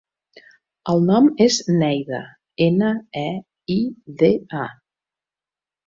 El nom és Neida: ena, e, i, de, a.